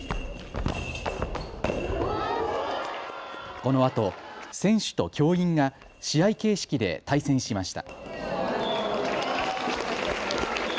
このあと選手と教員が試合形式で対戦しました。